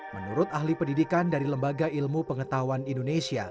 menurut ahli pendidikan dari lembaga ilmu pengetahuan indonesia